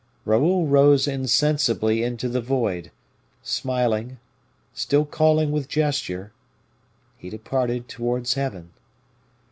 Raoul rose insensibly into the void, smiling, still calling with gesture: he departed towards heaven.